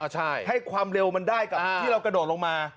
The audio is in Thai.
ใช่ให้ความเร็วมันได้กับที่เรากระโดดลงมา